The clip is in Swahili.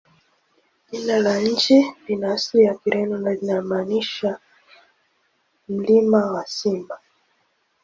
Jina la nchi lina asili ya Kireno na linamaanisha "Mlima wa Simba".